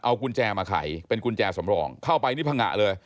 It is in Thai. เอากุญแจมาไขเป็นกุญแจสำรองเข้าไปนี่พังงะเลย